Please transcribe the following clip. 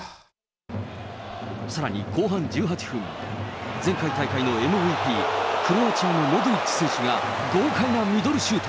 さらに後半１８分、前回大会のＭＶＰ、クロアチアのモドリッチ選手が豪快なミドルシュート。